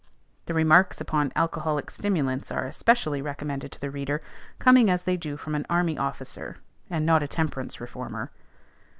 The remarks upon alcoholic stimulants are especially recommended to the reader, coming as they do from an army officer, and not a temperance reformer.